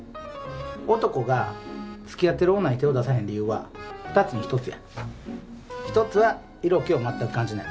男がつきあってる女に手を出さへん理由は二つに一つや一つは色気をまったく感じない